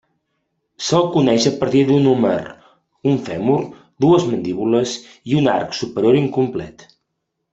Se'l coneix a partir d'un húmer, un fèmur, dues mandíbules i un arc superior incomplet.